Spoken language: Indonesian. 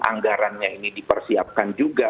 anggarannya ini dipersiapkan juga